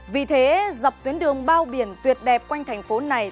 vì thế dọc tuyến đường bao biển tuyệt đẹp quanh thành phố này